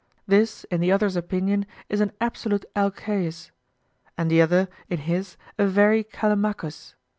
This, in the other's opinion, is an absolute Alcaeus; and the other, in his, a very Callimachus.